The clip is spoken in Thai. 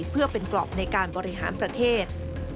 เพื่อเป็นกรอบในการบริหารประเทศ